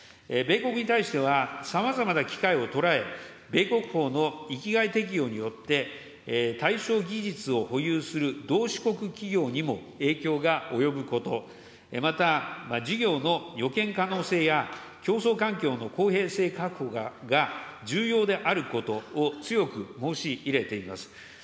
米国に対しては、さまざまな機会を捉え、米国法の域外適用によって、対象技術を保有する同志国企業にも影響が及ぶこと、また事業の予見可能性や、競争環境の公平性確保が重要であることを強く申し入れています。